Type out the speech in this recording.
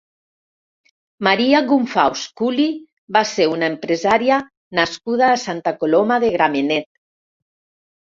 Maria Gumfaus Culi va ser una empresària nascuda a Santa Coloma de Gramenet.